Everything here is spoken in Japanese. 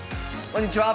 こんにちは！